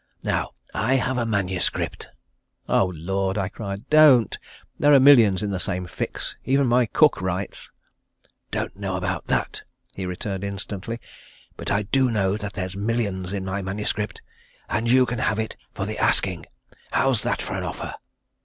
Now I have a manuscript " "Oh Lord!" I cried. "Don't. There are millions in the same fix. Even my cook writes." "Don't know about that," he returned instantly. "But I do know that there's millions in my manuscript. And you can have it for the asking. How's that for an offer?"